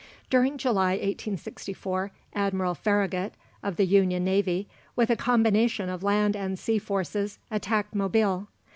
During July, 1864, Admiral Farragut, of the Union navy, with a combination of land and sea forces, attacked Mobile.